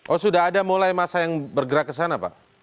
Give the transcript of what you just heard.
oh sudah ada mulai masa yang bergerak ke sana pak